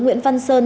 nguyễn văn sơn